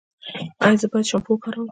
ایا زه باید شامپو وکاروم؟